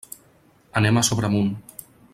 Anem a Sobremunt.